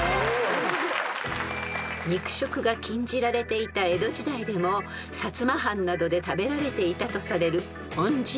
［肉食が禁じられていた江戸時代でも薩摩藩などで食べられていたとされる］